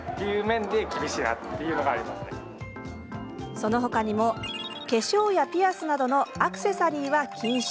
そのほかにも化粧やピアスなどのアクセサリーは禁止。